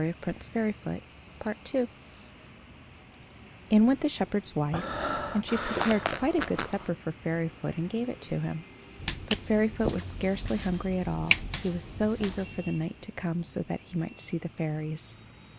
HE ASKED.] PART II In went the shepherd's wife, and she prepared quite a good supper for Fairyfoot and gave it to him. But Fairyfoot was scarcely hungry at all; he was so eager for the night to come, so that he might see the fairies.